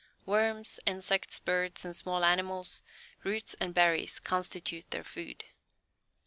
Worms, insects, birds, and small animals, roots and berries constitute their food.